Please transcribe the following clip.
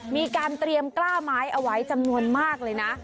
มีการเตรียมกล้าไม้เอาไว้จำนวนมากเลยนะ